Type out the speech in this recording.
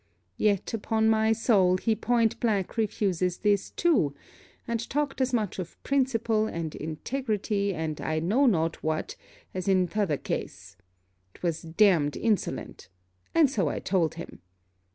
Yet, upon my soul, he point blank refuses this too; and talked as much of principle and integrity and I know not what, as in t'other case! 'Twas damned insolent! and so I told him.